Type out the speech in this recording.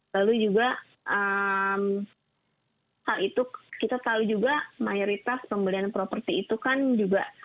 lalu juga hal itu kita tahu juga mayoritas pembelian properti itu kan juga